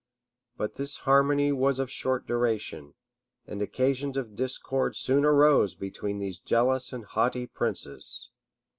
But this harmony was of short duration, and occasions of discord soon arose between these jealous and haughty princes.